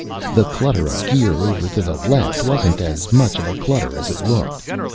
The clutter of gear over to the left wasn't as much of a clutter as it looked.